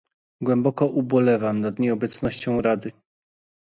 Głęboko ubolewam nad nieobecnością Rady